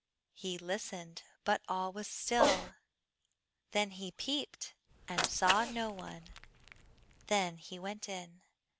He listened, but all was still; then he peeped, and saw no one; then he went in.